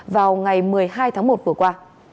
vào ngày một mươi hai tháng một vừa qua